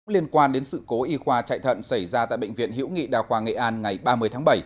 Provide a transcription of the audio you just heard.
liên quan đến sự cố y khoa chạy thận xảy ra tại bệnh viện hữu nghị đào khoa nghệ an ngày ba mươi tháng bảy